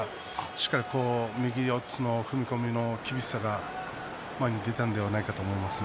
しっかり右四つの踏み込みの厳しさが前に出たのではないかと思いますね。